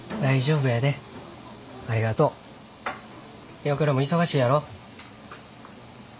岩倉も忙しいやろ。